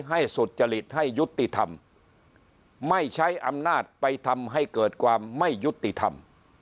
สุจริตให้ยุติธรรมไม่ใช้อำนาจไปทำให้เกิดความไม่ยุติธรรม